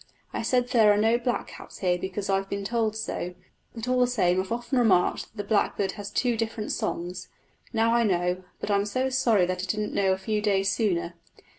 I said there are no blackcaps here because I've been told so, but all the same I've often remarked that the blackbird has two different songs. Now I know, but I'm so sorry that I didn't know a few days sooner."